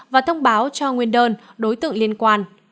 và thông báo cho nguyên đơn đối tượng liên quan